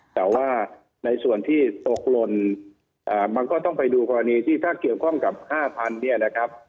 แต่ว่าในส่วนที่ตกหล่นมันก็ต้องไปดูกรณีที่ถ้าเกี่ยวข้องกับ๕๐๐เนี่ยนะครับ